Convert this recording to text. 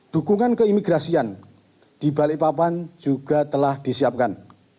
dukungan keimigrasian di balikpapan juga telah disiapkan